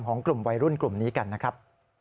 ของกลุ่มวัยรุ่นกลุ่มนี้กันนะครับ